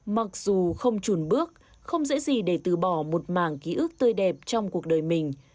mặc dù không trùn bước không dễ gì để từ bỏ một màng ký ức tươi đẹp trong cuộc đời mình